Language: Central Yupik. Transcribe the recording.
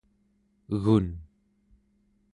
egun